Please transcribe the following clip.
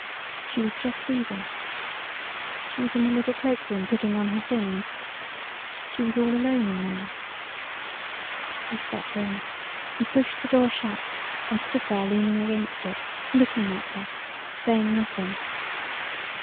She was just leaving. She was in the little cloak room putting on her things. She was all alone in there. He stepped in. He pushed the door shut, and stood there leaning against it, looking at her, saying nothing.